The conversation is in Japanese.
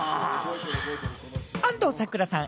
安藤サクラさん